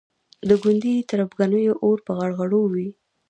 د ګوندي تربګنیو اور په غړغړو وي.